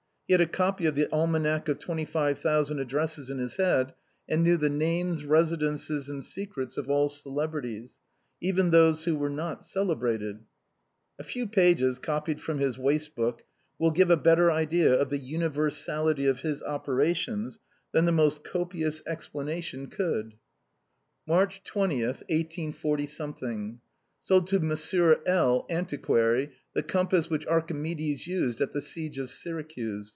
He had a copy of the " Almanac of Twenty five Thousand Ad dresses " in his head, and knew the names, residences, and secrets of all celebrities, even those who were not celebrated. A few pages copied from his waste book will give a better idea of the universality of his operations than the most copious explanation could: " March 20, 184—. " Sold to M. L , antiquary, the compass which Archi medes used at the seige of Syracuse.